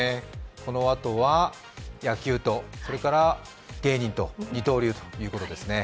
このあとは野球と芸人と二刀流ということですね。